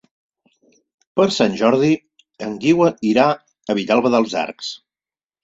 Per Sant Jordi en Guiu irà a Vilalba dels Arcs.